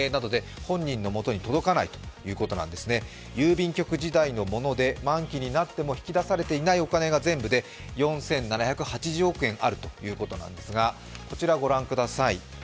郵便局時代のもので満期になっても引き出されていないお金が全部で４７８０億円あるということなんですがこちらをご覧ください。